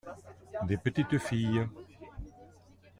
Des petites filles.